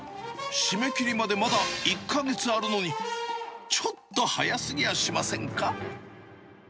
締め切りまでまだ１か月あるのに、ちょっと早すぎやしませんか。